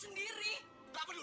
untuk diot memberi